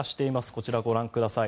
こちら、ご覧ください。